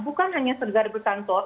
bukan hanya segera berkantor